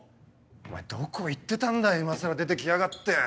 お前どこ行ってたんだよ今更出て来やがって。